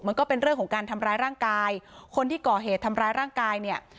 มันก็เป็นเรื่องของการทำร้ายร่างกายคนที่ก่อเหตุทำร้ายร่างกายเนี่ย